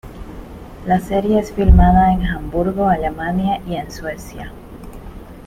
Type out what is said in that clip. La serie es filmada en Hamburgo, Alemania y en Suecia.